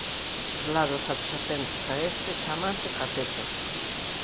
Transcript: Os lados adxacentes a este chámanse catetos.